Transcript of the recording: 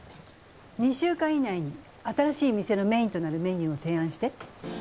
２週間以内に新しい店のメインとなるメニューを提案して。